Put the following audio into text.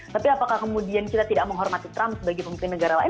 tapi apakah kemudian kita tidak menghormati trump sebagai pemimpin negara lain